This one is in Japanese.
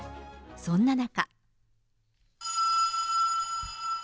そんな中。